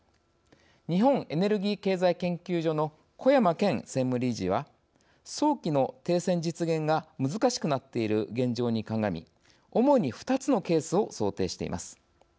日本エネルギー経済研究所の小山堅専務理事は早期の停戦実現が難しくなっている現状に鑑み主に２つのケースを想定しています。